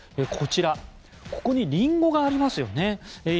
こちら、ここにリンゴがありますよね。